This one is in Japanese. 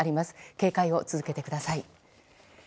警戒を続けてください。